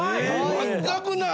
全くない！